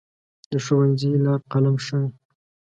د ښوونځي لار قلم ښووي.